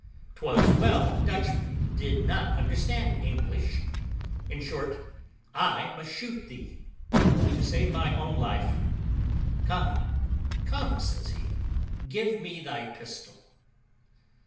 'Twas well the Dutchman did not understand English. In short, I must shoot thee, to save my own life. Come, come," says he, "give me thy pistol."